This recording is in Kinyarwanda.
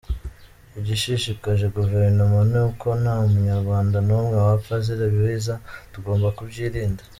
Igishishikaje Guverinoma ni uko nta Munyarwanda n’umwe wapfa azira ibiza, tugomba kubyirinda.